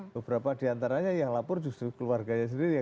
beberapa diantaranya yang lapor justru keluarganya sendiri ya